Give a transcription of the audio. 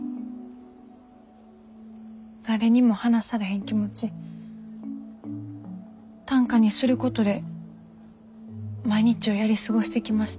誰にも話されへん気持ち短歌にすることで毎日をやり過ごしてきました。